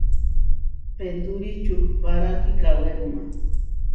Petúri čuhpára kikawéruma.